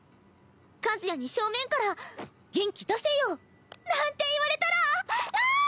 和也に正面から「元気出せよ」なんて言われたらきゃあ！